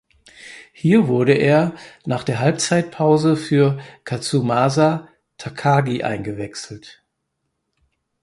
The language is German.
Hier wurde er nach der Halbzeitpause für Kazumasa Takagi eingewechselt.